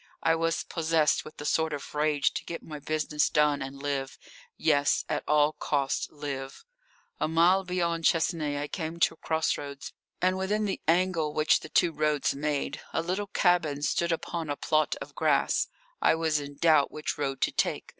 I was possessed with a sort of rage to get my business done and live yes, at all costs live. A mile beyond Chesnay I came to cross roads, and within the angle which the two roads made a little cabin stood upon a plot of grass. I was in doubt which road to take.